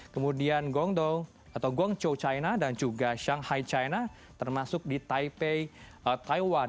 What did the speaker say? kemudian gongdong atau gongzhou china dan juga shanghai china termasuk di taipei taiwan